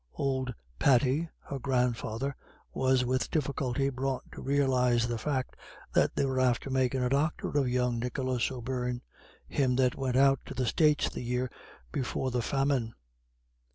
Old Paddy her grandfather was with difficulty brought to realise the fact that "they were after makin' a doctor of young Nicholas O'Beirne, him that went out to the States the year before the Famine."